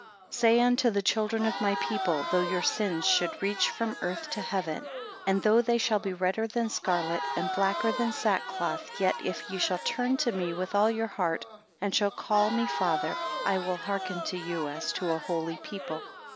11 Say unto the children of my people, though your sins should reach from earth to heaven; and though they shall be redder than scarlet, and blacker than sackcloth yet if ye shall turn to me with all your heart, and shall call me father, I will hearken to you, as to a holy people.